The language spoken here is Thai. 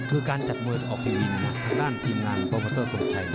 คือการจัดมวยออกทีวีทางด้านทีมงานโปรแมตเตอร์ส่วนไทย